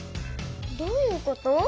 どういうこと？